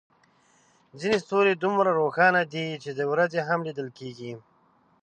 ځینې ستوري دومره روښانه دي چې د ورځې هم لیدل کېږي.